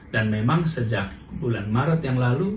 dan memang sejak bulan maret yang lalu